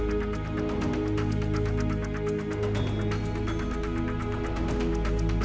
สำคัญถามว่าช่างสองพี่ตนัดสักครั้ง